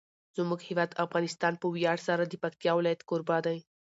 زموږ هیواد افغانستان په ویاړ سره د پکتیکا ولایت کوربه دی.